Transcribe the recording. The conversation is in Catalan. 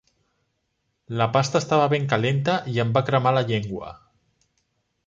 La pasta estava ben calenta i em va cremar la llengua.